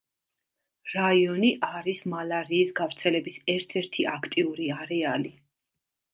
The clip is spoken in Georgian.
რაიონი არის მალარიის გავრცელების ერთ-ერთი აქტიური არეალი.